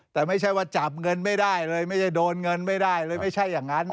แต่ไม่ใช่ว่าจับเงินไม่ได้เลยไม่ใช่โดนเงินไม่ได้เลยไม่ใช่อย่างนั้น